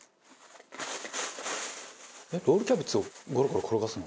「えっロールキャベツをゴロゴロ転がすの？」